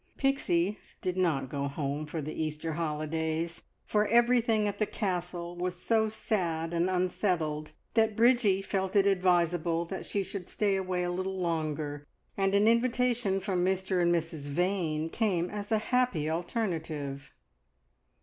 Pixie did not go home for the Easter holidays, for everything at the Castle was so sad and unsettled that Bridgie felt it advisable that she should stay away a little longer, and an invitation from Mr and Mrs Vane came as a happy alternative.